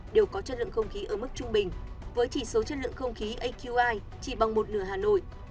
đều có chất lượng không khí ở mức trung bình với chỉ số chất lượng không khí aqi chỉ bằng một nửa hà nội